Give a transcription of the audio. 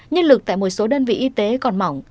nhân lực tại một số đơn vị y tế còn mỏng